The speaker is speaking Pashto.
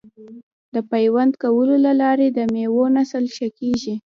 د پیوند کولو له لارې د میوو نسل ښه کیږي.